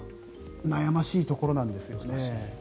悩ましいところなんですよね。